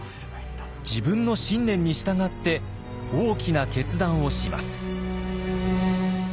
自分の信念に従って大きな決断をします。